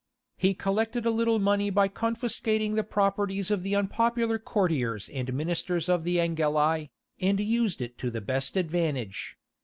He collected a little money by confiscating the properties of the unpopular courtiers and ministers of the Angeli, and used it to the best advantage.